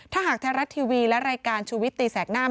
ถ้าหากไทยรัฐทีวีและรายการชูวิตตีแสกหน้า